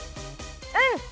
うん。